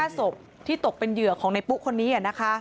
๕ศพที่ตกเป็นเหยื่อของในปุ๊คนนี้นะคะ